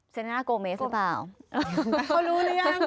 น่าโกเมสหรือเปล่าเขารู้หรือยัง